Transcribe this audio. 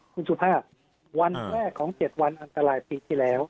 คุณสุภาพวันแรกของ๗วันอันตรายปีที่แล้ว